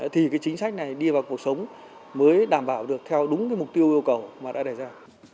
thì cái chính sách này đi vào cuộc sống mới đảm bảo được theo đúng cái mục tiêu yêu cầu mà đã đề ra